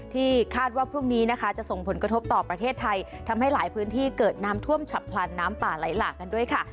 ที่คาดว่าพรุ่งนี้นะคะจะส่งผลกระทบต่อประเทศไทยทำให้หลายพื้นที่เกิดน้ำท่วมฉับพลันน้ำป่าไหลหลากกันด้วยค่ะ